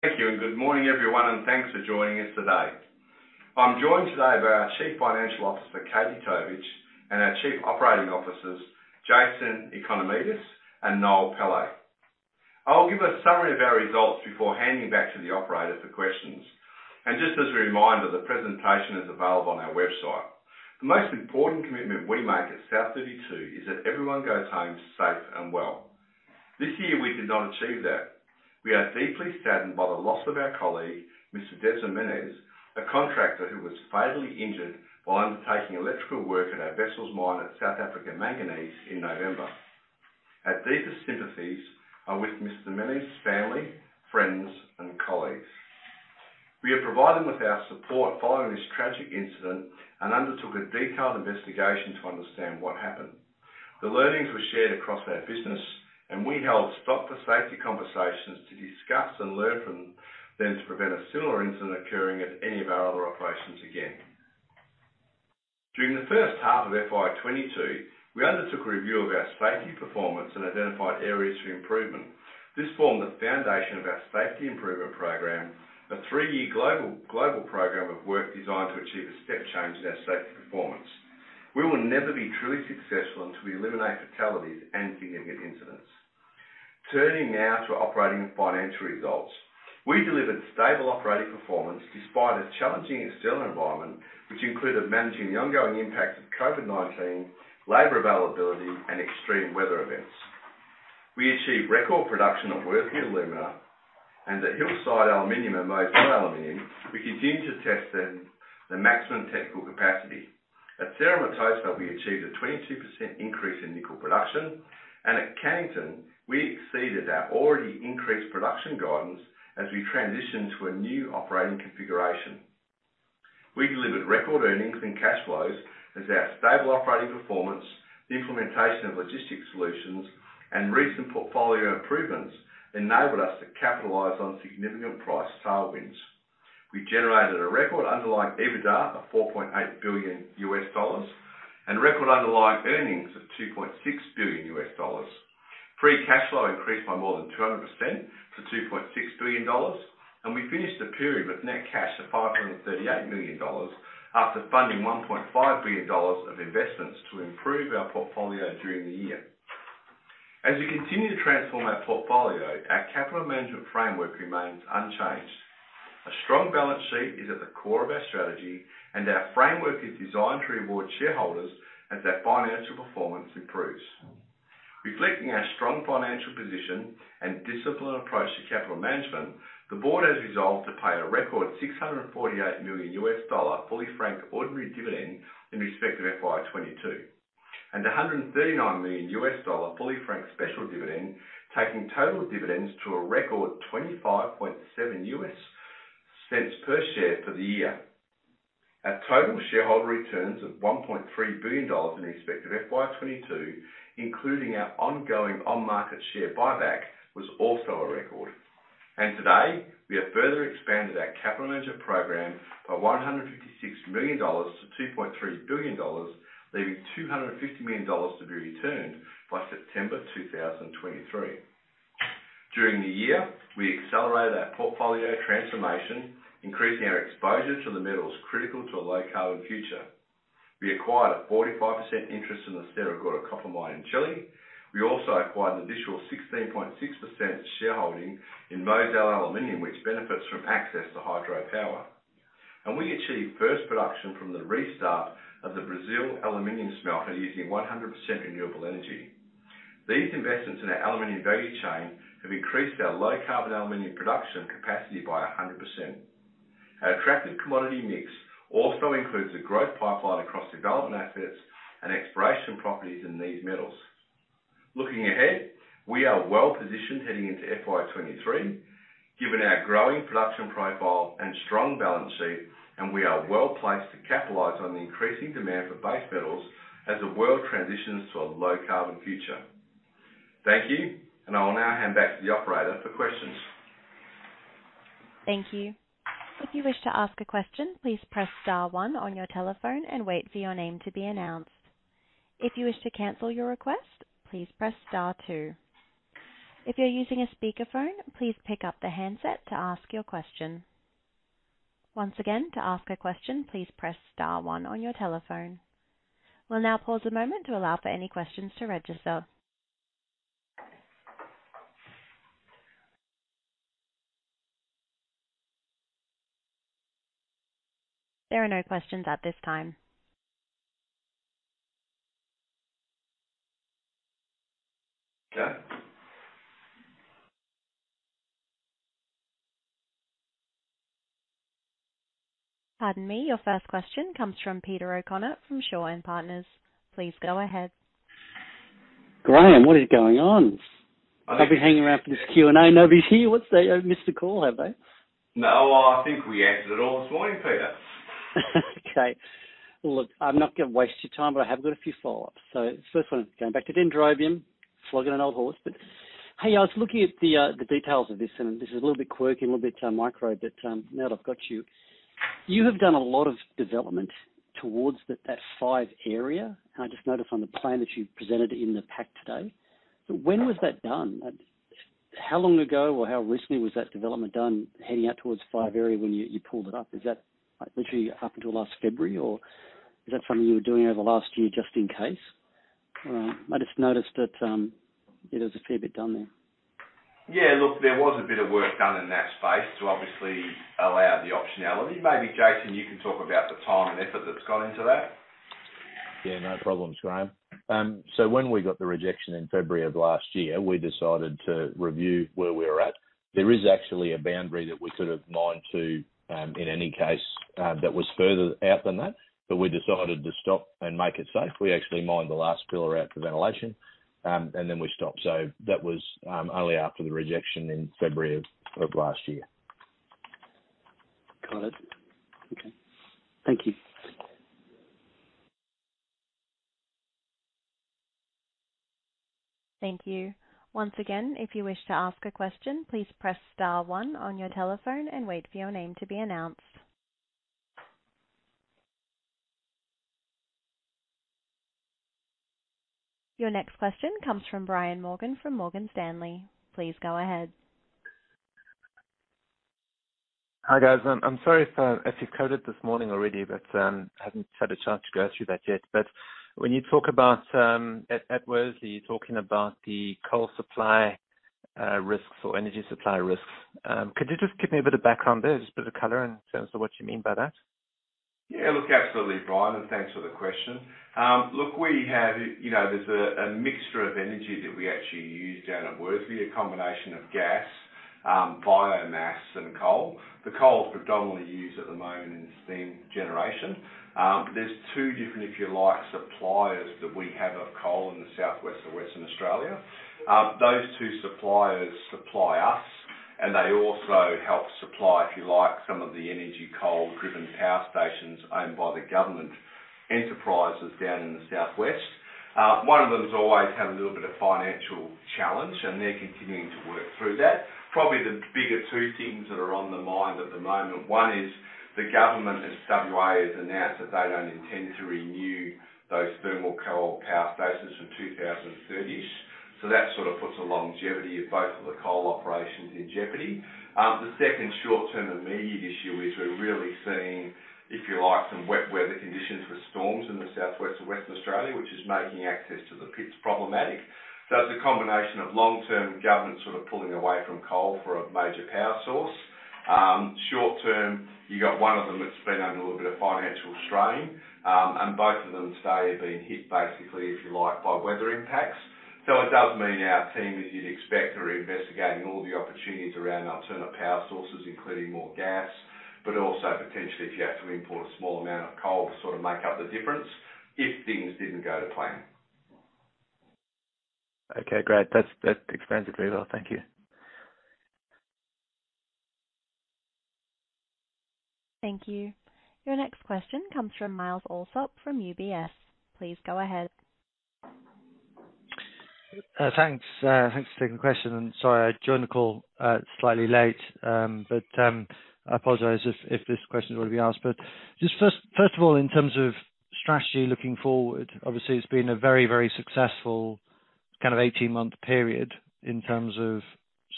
Thank you, and good morning everyone, and thanks for joining us today. I'm joined today by our Chief Financial Officer, Katie Tovich, and our Chief Operating Officers, Jason Economidis and Noel Pillay. I will give a summary of our results before handing back to the operators for questions. Just as a reminder, the presentation is available on our website. The most important commitment we make at South32 is that everyone goes home safe and well. This year we did not achieve that. We are deeply saddened by the loss of our colleague, Mr. Frans Mienies, a contractor who was fatally injured while undertaking electrical work at our Wessels mine at South Africa Manganese in November. Our deepest sympathies are with Mr. Mienies's family, friends, and colleagues. We have provided them with our support following this tragic incident and undertook a detailed investigation to understand what happened. The learnings were shared across our business, and we held stop-for-safety conversations to discuss and learn from them to prevent a similar incident occurring at any of our other operations again. During the first half of FY22, we undertook a review of our safety performance and identified areas for improvement. This formed the foundation of our safety improvement program, a three-year global program of work designed to achieve a step change in our safety performance. We will never be truly successful until we eliminate fatalities and significant incidents. Turning now to operating and financial results, we delivered stable operating performance despite a challenging external environment, which included managing the ongoing impacts of COVID-19, labor availability, and extreme weather events. We achieved record production at Worsley Alumina and at Hillside Aluminium and Mozal Aluminium. We continued to test them to maximum technical capacity. At Cerro Matoso, we achieved a 22% increase in nickel production, and at Cannington, we exceeded our already increased production guidance as we transitioned to a new operating configuration. We delivered record earnings and cash flows as our stable operating performance, the implementation of logistics solutions, and recent portfolio improvements enabled us to capitalize on significant price tailwinds. We generated a record underlying EBITDA of $4.8 billion and record underlying earnings of $2.6 billion. Free cash flow increased by more than 200% to $2.6 billion, and we finished the period with net cash of $538 million after funding $1.5 billion of investments to improve our portfolio during the year. As we continue to transform our portfolio, our capital management framework remains unchanged. A strong balance sheet is at the core of our strategy, and our framework is designed to reward shareholders as their financial performance improves. Reflecting our strong financial position and disciplined approach to capital management, the board has resolved to pay a record $648 million fully franked ordinary dividend in respect of FY22, and $139 million fully franked special dividend, taking total dividends to a record $25.70 per share for the year. Our total shareholder returns of $1.3 billion in respect of FY22, including our ongoing on-market share buyback, was also a record. Today, we have further expanded our capital management program by $156 million to $2.3 billion, leaving $250 million to be returned by September 2023. During the year, we accelerated our portfolio transformation, increasing our exposure to the metals critical to a low-carbon future. We acquired a 45% interest in the Sierra Gorda copper mine in Chile. We also acquired an additional 16.6% shareholding in Mozal Aluminium, which benefits from access to hydro power. We achieved first production from the restart of the Brazil Aluminium smelter using 100% renewable energy. These investments in our aluminium value chain have increased our low-carbon aluminium production capacity by 100%. Our attractive commodity mix also includes a growth pipeline across development assets and exploration properties in these metals. Looking ahead, we are well positioned heading into FY23, given our growing production profile and strong balance sheet, and we are well placed to capitalize on the increasing demand for base metals as the world transitions to a low-carbon future. Thank you, and I will now hand back to the operator for questions. Thank you. If you wish to ask a question, please press star one on your telephone and wait for your name to be announced. If you wish to cancel your request, please press star two. If you're using a speakerphone, please pick up the handset to ask your question. Once again, to ask a question, please press star one on your telephone. We'll now pause a moment to allow for any questions to register. There are no questions at this time. Okay. Pardon me, your first question comes from Peter O'Connor from Shaw and Partners. Please go ahead. Graham, what is going on? I've been hanging around for this Q&A. Nobody's here. What's the? I've missed a call, have I? No, I think we answered it all this morning, Peter. Okay, look, I'm not going to waste your time, but I have got a few follow-ups, so the first one is going back to Dendrobium, flogging an old horse, but hey, I was looking at the details of this, and this is a little bit quirky, a little bit micro, but now that I've got you, you have done a lot of development towards that Area 5, and I just noticed on the plan that you presented in the pack today. When was that done? How long ago or how recently was that development done heading out towards Area 5 when you pulled it up? Is that literally up until last February, or is that something you were doing over the last year just in case? I just noticed that there was a fair bit done there. Yeah, look, there was a bit of work done in that space to obviously allow the optionality. Maybe Jason, you can talk about the time and effort that's gone into that. Yeah, no problems, Graham. So when we got the rejection in February of last year, we decided to review where we were at. There is actually a boundary that we could have mined to in any case that was further out than that, but we decided to stop and make it safe. We actually mined the last pillar out for ventilation, and then we stopped. So that was only after the rejection in February of last year. Got it. Okay. Thank you. Thank you. Once again, if you wish to ask a question, please press star one on your telephone and wait for your name to be announced. Your next question comes from Brian Morgan from Morgan Stanley. Please go ahead. Hi guys. I'm sorry if you've coded this morning already, but I haven't had a chance to go through that yet. But when you talk about at Worsley, you're talking about the coal supply risks or energy supply risks. Could you just give me a bit of background there, just a bit of color in terms of what you mean by that? Yeah, look, absolutely, Brian, and thanks for the question. Look, we have, there's a mixture of energy that we actually use down at Worsley, a combination of gas, biomass, and coal. The coal is predominantly used at the moment in steam generation. There's two different, if you like, suppliers that we have of coal in the southwest of Western Australia. Those two suppliers supply us, and they also help supply, if you like, some of the energy coal-driven power stations owned by the government enterprises down in the southwest. One of them has always had a little bit of financial challenge, and they're continuing to work through that. Probably the bigger two things that are on the mind at the moment, one is the government as WA has announced that they don't intend to renew those thermal coal power stations for 2030. So that sort of puts the longevity of both of the coal operations in jeopardy. The second short-term immediate issue is we're really seeing, if you like, some wet weather conditions with storms in the southwest of Western Australia, which is making access to the pits problematic. So it does mean our team, as you'd expect, are investigating all the opportunities around alternative power sources, including more gas, but also potentially if you have to import a small amount of coal to sort of make up the difference if things didn't go to plan. Okay, great. That explains it really well. Thank you. Thank you. Your next question comes from Myles Allsop from UBS. Please go ahead. Thanks for taking the question. And sorry, I joined the call slightly late, but I apologize if this question's already been asked. But just first of all, in terms of strategy looking forward, obviously it's been a very, very successful kind of 18-month period in terms of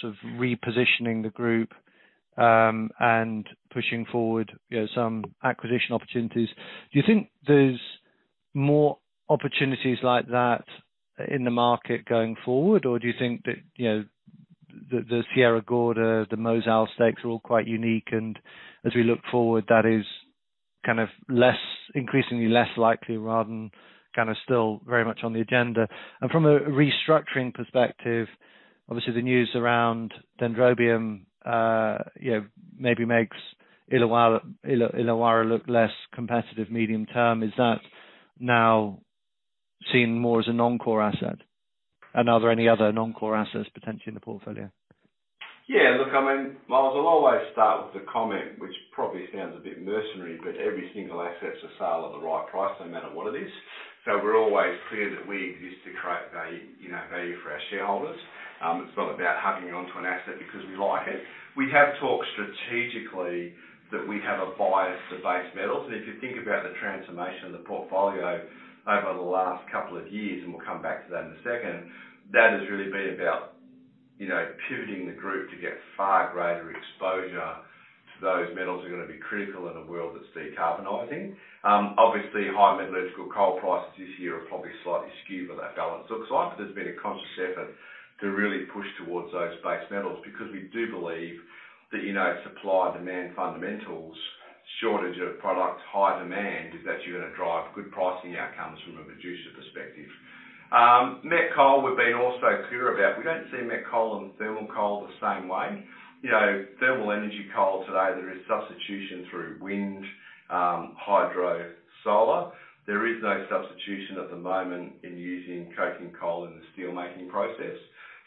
sort of repositioning the group and pushing forward some acquisition opportunities. Do you think there's more opportunities like that in the market going forward, or do you think that the Sierra Gorda, the Mozal stakes are all quite unique, and as we look forward, that is kind of increasingly less likely rather than kind of still very much on the agenda? And from a restructuring perspective, obviously the news around Dendrobium maybe makes Illawarra look less competitive medium term. Is that now seen more as a non-core asset? And are there any other non-core assets potentially in the portfolio? Yeah, look, I mean, I'll always start with the comment, which probably sounds a bit mercenary, but every single asset's a sale at the right price, no matter what it is. So we're always clear that we exist to create value for our shareholders. It's not about hugging onto an asset because we like it. We have talked strategically that we have a bias to base metals. And if you think about the transformation of the portfolio over the last couple of years, and we'll come back to that in a second, that has really been about pivoting the group to get far greater exposure to those metals that are going to be critical in a world that's decarbonizing. Obviously, high metallurgical coal prices this year are probably slightly skewed with that balance looks like, but there's been a conscious effort to really push towards those base metals because we do believe that supply and demand fundamentals, shortage of product, high demand is actually going to drive good pricing outcomes from a producer perspective. Met coal, we've been also clear about we don't see met coal and thermal coal the same way. Thermal energy coal today, there is substitution through wind, hydro, solar. There is no substitution at the moment in using coking coal in the steelmaking process.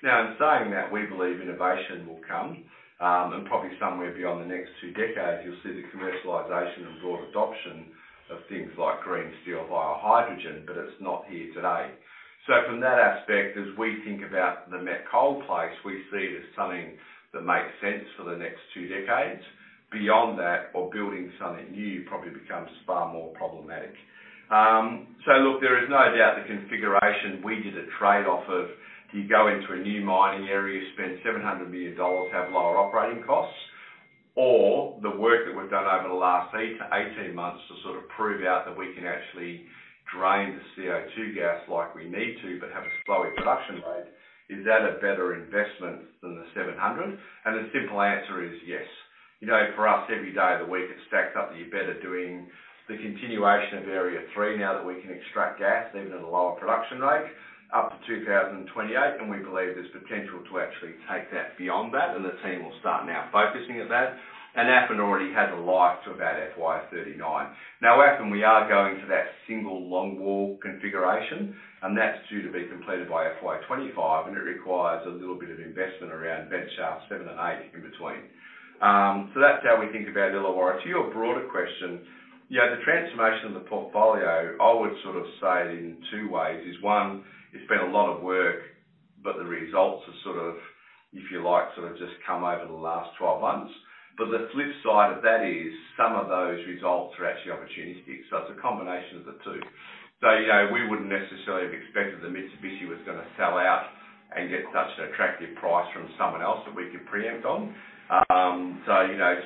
Now, in saying that, we believe innovation will come, and probably somewhere beyond the next two decades, you'll see the commercialization and broad adoption of things like green steel via hydrogen, but it's not here today. So from that aspect, as we think about the met coal place, we see there's something that makes sense for the next two decades. Beyond that, or building something new probably becomes far more problematic. So look, there is no doubt the configuration we did a trade-off of, do you go into a new mining area, spend $700 million, have lower operating costs, or the work that we've done over the last 18 months to sort of prove out that we can actually drain the CO2 gas like we need to but have a slower production rate, is that a better investment than the 700? And the simple answer is yes. For us, every day of the week, it stacks up that you're better doing the continuation of Area 3 now that we can extract gas even at a lower production rate up to 2028, and we believe there's potential to actually take that beyond that, and the team will start now focusing at that, and Appin already has a life to about FY39. Now, Appin, we are going to that single longwall configuration, and that's due to be completed by FY25, and it requires a little bit of investment around vent shaft seven and eight in between, so that's how we think about Illawarra. To your broader question, the transformation of the portfolio, I would sort of say it in two ways. One, it's been a lot of work, but the results have sort of, if you like, sort of just come over the last 12 months. But the flip side of that is some of those results are actually opportunistic. So it's a combination of the two. So we wouldn't necessarily have expected that Mitsubishi was going to sell out and get such an attractive price from someone else that we could preempt on. So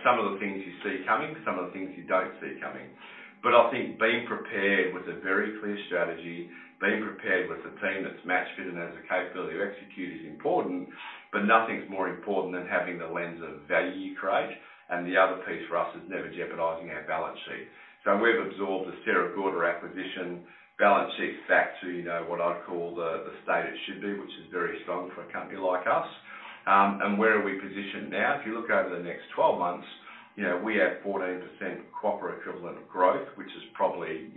some of the things you see coming, some of the things you don't see coming. But I think being prepared with a very clear strategy, being prepared with a team that's match-fitted and has the capability to execute is important, but nothing's more important than having the lens of value you create. And the other piece for us is never jeopardizing our balance sheet. So we've absorbed the Sierra Gorda acquisition balance sheet back to what I'd call the state it should be, which is very strong for a company like us. And where are we positioned now? If you look over the next 12 months, we have 14% copper equivalent growth, which is probably,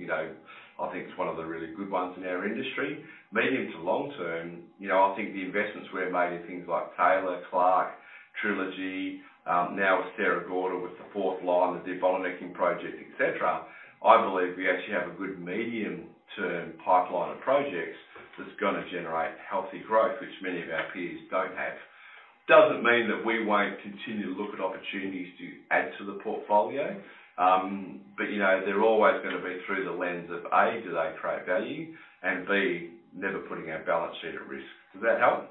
I think, one of the really good ones in our industry. Medium to long term, I think the investments we're making in things like Taylor, Clark, Trilogy, now with Sierra Gorda, with the fourth line, the debottlenecking project, etc., I believe we actually have a good medium-term pipeline of projects that's going to generate healthy growth, which many of our peers don't have. Doesn't mean that we won't continue to look at opportunities to add to the portfolio, but they're always going to be through the lens of, A, do they create value, and B, never putting our balance sheet at risk. Does that help?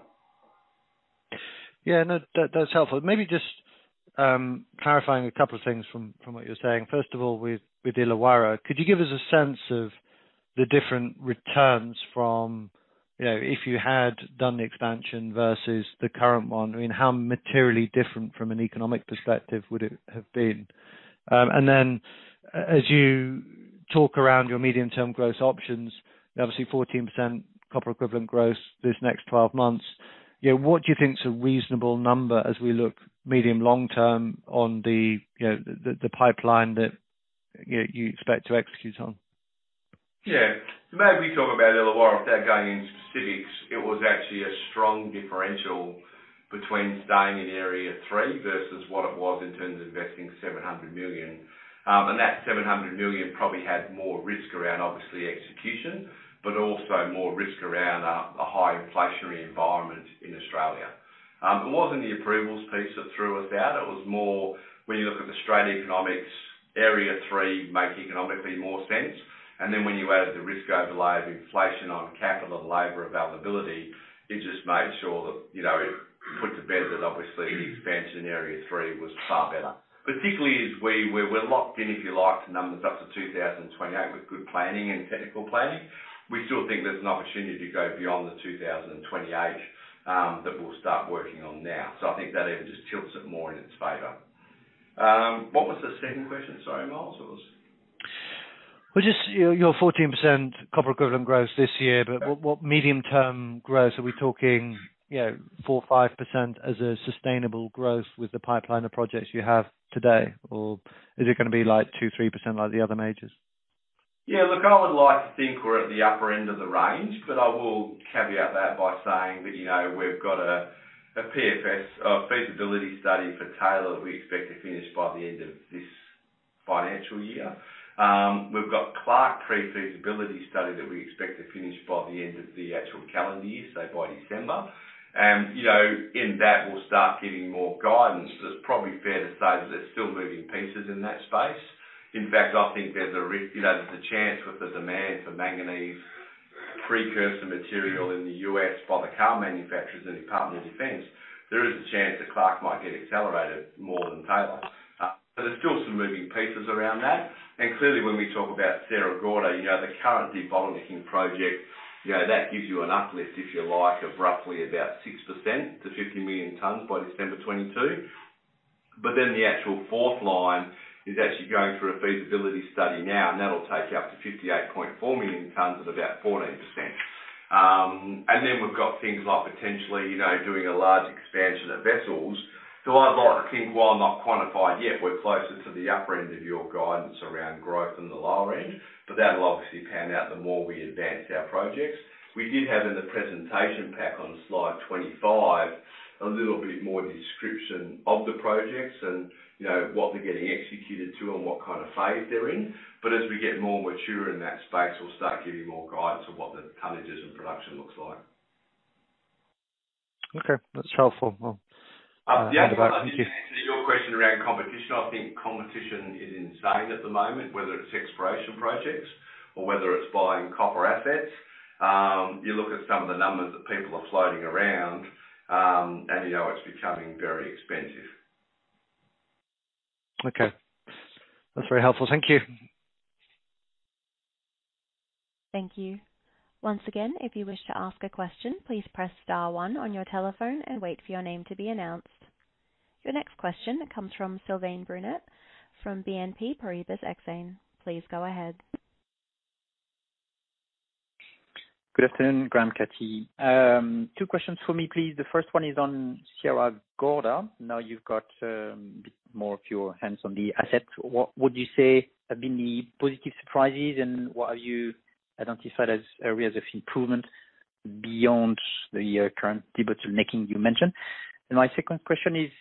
Yeah, no, that's helpful. Maybe just clarifying a couple of things from what you're saying. First of all, with Illawarra, could you give us a sense of the different returns from if you had done the expansion versus the current one? I mean, how materially different from an economic perspective would it have been? And then as you talk around your medium-term growth options, obviously 14% copper equivalent growth this next 12 months, what do you think's a reasonable number as we look medium-long term on the pipeline that you expect to execute on? Yeah. Maybe talk about Illawarra. Without going into specifics, it was actually a strong differential between staying in area three versus what it was in terms of investing $700 million. And that $700 million probably had more risk around, obviously, execution, but also more risk around a high inflationary environment in Australia. It wasn't the approvals piece that threw us out. It was more when you look at the straight economics, area three makes economically more sense. And then when you added the risk overlay of inflation on capital and labor availability, it just made sure that it put to bed that obviously the expansion in area three was far better. Particularly as we're locked in, if you like, to numbers up to 2028 with good planning and technical planning, we still think there's an opportunity to go beyond the 2028 that we'll start working on now. So I think that even just tilts it more in its favor. What was the second question? Sorry, Myles, what was it? Just your 14% copper equivalent growth this year, but what medium-term growth? Are we talking 4%, 5% as a sustainable growth with the pipeline of projects you have today, or is it going to be like 2%, 3% like the other majors? Yeah, look, I would like to think we're at the upper end of the range, but I will caveat that by saying that we've got a PFS, a feasibility study for Taylor that we expect to finish by the end of this financial year. We've got Clark pre-feasibility study that we expect to finish by the end of the actual calendar year, so by December. And in that, we'll start getting more guidance. It's probably fair to say that there's still moving pieces in that space. In fact, I think there's a chance with the demand for manganese precursor material in the US by the car manufacturers and the Department of Defense, there is a chance that Clark might get accelerated more than Taylor. But there's still some moving pieces around that. Clearly, when we talk about Sierra Gorda, the current debottlenecking project, that gives you an uplift, if you like, of roughly about 6% to 50 million tons by December 2022. But then the actual fourth line is actually going through a feasibility study now, and that'll take you up to 58.4 million tons at about 14%. And then we've got things like potentially doing a large expansion of Wessels. So I'd like to think, while I'm not quantified yet, we're closer to the upper end of your guidance around growth than the lower end, but that'll obviously pan out the more we advance our projects. We did have in the presentation pack on slide 25 a little bit more description of the projects and what they're getting executed to and what kind of phase they're in. But as we get more mature in that space, we'll start getting more guidance on what the tonnages and production looks like. Okay. That's helpful. The other part of the answer to your question around competition, I think competition is insane at the moment, whether it's exploration projects or whether it's buying copper assets. You look at some of the numbers that people are floating around, and it's becoming very expensive. Okay. That's very helpful. Thank you. Thank you. Once again, if you wish to ask a question, please press star one on your telephone and wait for your name to be announced. Your next question comes from Sylvain Brunet from Exane BNP Paribas. Please go ahead. Good afternoon, Graham Kerr. Two questions for me, please. The first one is on Sierra Gorda. Now you've got a bit more of your hands on the assets. What would you say have been the positive surprises, and what have you identified as areas of improvement beyond the current debottlenecking you mentioned? And my second question is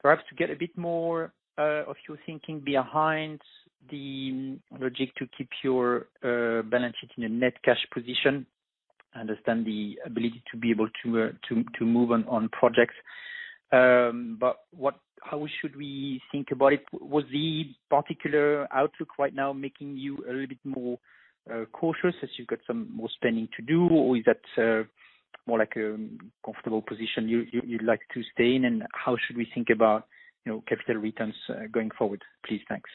perhaps to get a bit more of your thinking behind the logic to keep your balance sheet in a net cash position. I understand the ability to be able to move on projects, but how should we think about it? Was the particular outlook right now making you a little bit more cautious as you've got some more spending to do, or is that more like a comfortable position you'd like to stay in? And how should we think about capital returns going forward? Please, thanks.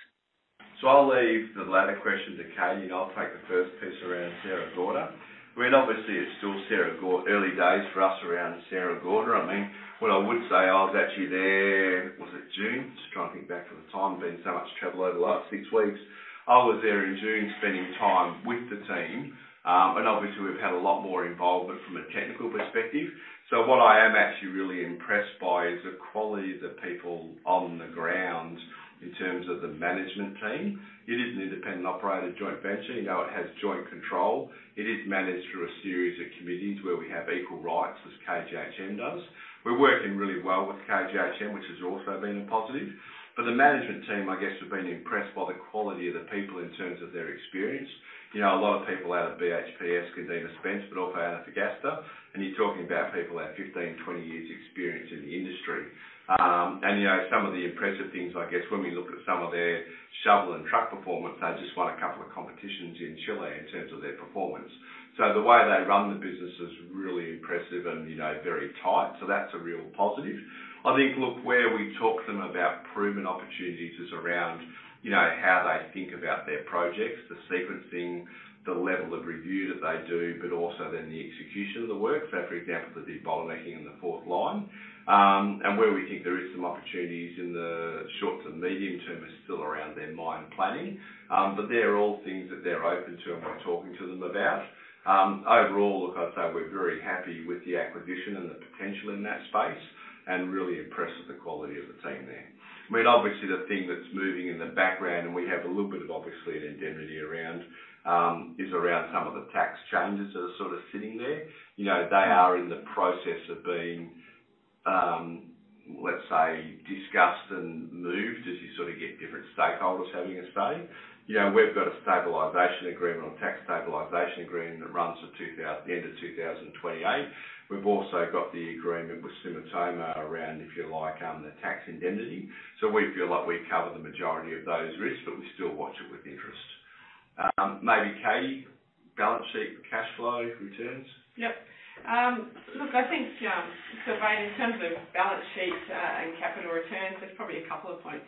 So I'll leave the latter question to Katie, and I'll take the first piece around Sierra Gorda. I mean, obviously, it's still early days for us around Sierra Gorda. I mean, what I would say, I was actually there, was it June? Just trying to think back of the time, been so much travel over the last six weeks. I was there in June spending time with the team, and obviously, we've had a lot more involvement from a technical perspective. So what I am actually really impressed by is the quality of the people on the ground in terms of the management team. It is an independent operator joint venture. It has joint control. It is managed through a series of committees where we have equal rights as KGHM does. We're working really well with KGHM, which has also been a positive. But the management team, I guess, have been impressed by the quality of the people in terms of their experience. A lot of people out of BHP's, Minera Spence, but also out of Antofagasta. And you're talking about people who have 15, 20 years' experience in the industry. And some of the impressive things, I guess, when we look at some of their shovel and truck performance, they just won a couple of competitions in Chile in terms of their performance. So the way they run the business is really impressive and very tight. So that's a real positive. I think, look, where we talk to them about proven opportunities is around how they think about their projects, the sequencing, the level of review that they do, but also then the execution of the work. So, for example, the debottlenecking in the fourth line. Where we think there are some opportunities in the short to medium term is still around their mine planning. They're all things that they're open to and we're talking to them about. Overall, look, I'd say we're very happy with the acquisition and the potential in that space and really impressed with the quality of the team there. I mean, obviously, the thing that's moving in the background, and we have a little bit of, obviously, an indemnity around, is around some of the tax changes that are sort of sitting there. They are in the process of being, let's say, discussed and moved as you sort of get different stakeholders having a say. We've got a tax stabilization agreement that runs to the end of 2028. We've also got the agreement with Sumitomo around, if you like, the tax indemnity. So we feel like we cover the majority of those risks, but we still watch it with interest. Maybe Katie, balance sheet, cash flow, returns? Yep. Look, I think, Sylvain, in terms of balance sheet and capital returns, there's probably a couple of points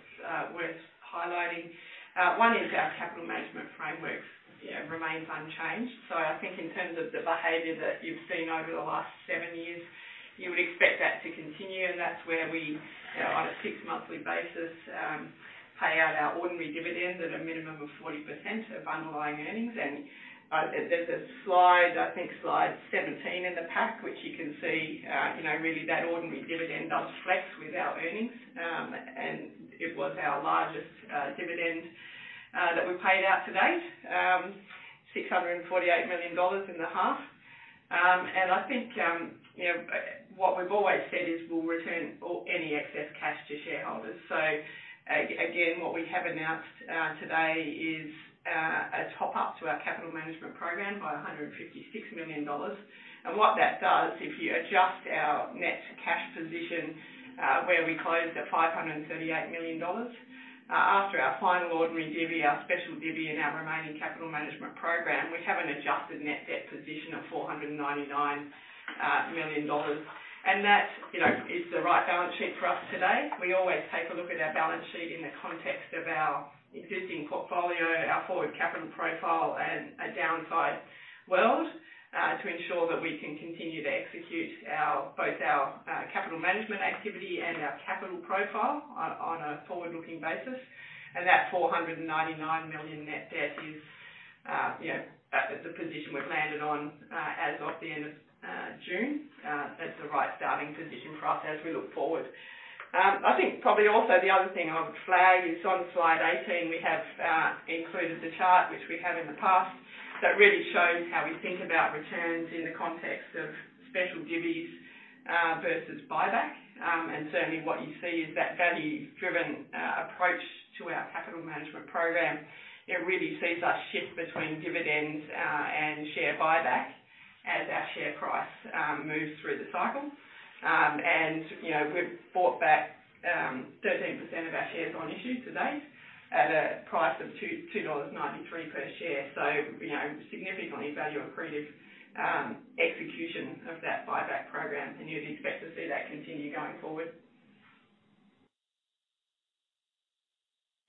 worth highlighting. One is our capital management framework remains unchanged. So I think in terms of the behavior that you've seen over the last seven years, you would expect that to continue. And that's where we, on a fixed monthly basis, pay out our ordinary dividend at a minimum of 40% of underlying earnings. And there's a slide, I think slide 17 in the pack, which you can see really that ordinary dividend does flex with our earnings. And it was our largest dividend that we paid out to date, $648 million in the half. And I think what we've always said is we'll return any excess cash to shareholders. So again, what we have announced today is a top-up to our capital management program by $156 million. And what that does, if you adjust our net cash position where we closed at $538 million, after our final ordinary divvy, our special divvy, and our remaining capital management program, we have an adjusted net debt position of $499 million. And that is the right balance sheet for us today. We always take a look at our balance sheet in the context of our existing portfolio, our forward capital profile, and a downside world to ensure that we can continue to execute both our capital management activity and our capital profile on a forward-looking basis. And that $499 million net debt is the position we've landed on as of the end of June. That's the right starting position for us as we look forward. I think probably also the other thing I would flag is on slide 18, we have included the chart, which we have in the past, that really shows how we think about returns in the context of special divvies versus buyback. And certainly, what you see is that value-driven approach to our capital management program. It really sees us shift between dividends and share buyback as our share price moves through the cycle. And we've bought back 13% of our shares on issue to date at a price of $2.93 per share. So significantly value-accretive execution of that buyback program. And you'd expect to see that continue going forward.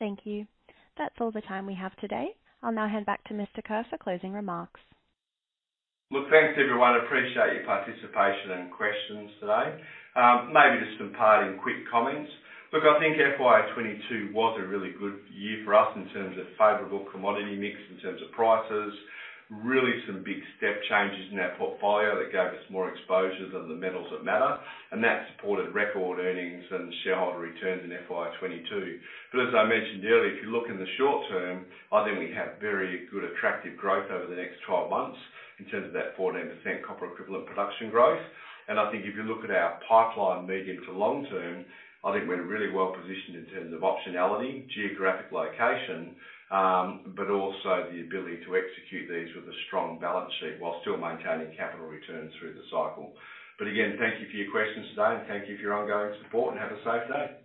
Thank you. That's all the time we have today. I'll now hand back to Mr. Kerr for closing remarks. Look, thanks, everyone. Appreciate your participation and questions today. Maybe just some parting quick comments. Look, I think FY22 was a really good year for us in terms of favorable commodity mix in terms of prices, really some big step changes in our portfolio that gave us more exposure to the metals that matter, and that supported record earnings and shareholder returns in FY22, but as I mentioned earlier, if you look in the short term, I think we have very good attractive growth over the next 12 months in terms of that 14% copper-equivalent production growth, and I think if you look at our pipeline medium to long term, I think we're really well positioned in terms of optionality, geographic location, but also the ability to execute these with a strong balance sheet while still maintaining capital returns through the cycle. But again, thank you for your questions today, and thank you for your ongoing support, and have a safe day.